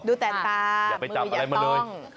ดูแต่ตามืออย่าต้อง